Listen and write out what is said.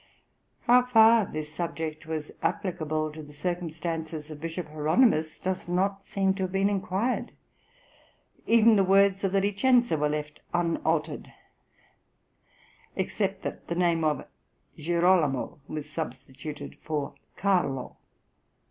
How far this subject was applicable to the circumstances of Bishop Hieronymus does not seem to have been inquired; even the words of the Licenza were left unaltered, except that the name of Girolamo was substituted for Carlo.